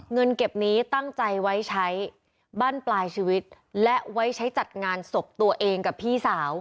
เงินเก็บนี้ตั้งใจไว้ใช้บ้านปลายชีวิตและไว้ใช้จัดงานศพตัวเองกับพี่สาว